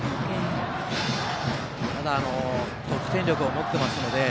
ただ、得点力を持ってますので。